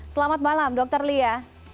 selamat malam dr lia